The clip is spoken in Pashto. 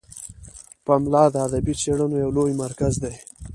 پملا د ادبي څیړنو یو لومړی مرکز دی.